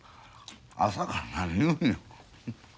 朝から何言うんよ。